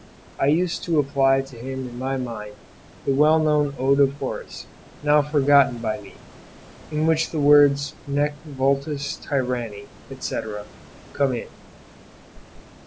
I used to apply to him in my mind the well known ode of Horace, now forgotten by me, in which the words "nec vultus tyranni,* etc.," come in.